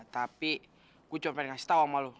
tapi gue cuma pengen kasih tau sama lo